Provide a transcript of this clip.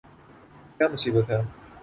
!کیا مصیبت ہے